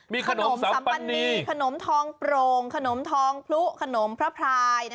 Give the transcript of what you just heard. มีขนมสัมปณีขนมทองโปร่งขนมทองพลุขนมพระพราย